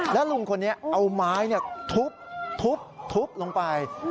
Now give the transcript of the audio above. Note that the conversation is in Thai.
แล้วลุงคนนี้เอาไม้ทุบลงไป